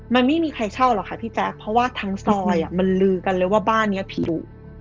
มันไม่มีใครเช่าหรอกค่ะพี่แจ๊คเพราะว่าทั้งซอยมันลือกันเลยว่าบ้านนี้ผิว